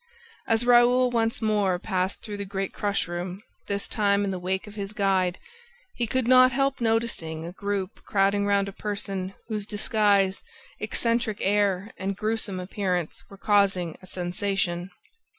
As Raoul once more passed through the great crush room, this time in the wake of his guide, he could not help noticing a group crowding round a person whose disguise, eccentric air and gruesome appearance were causing a sensation.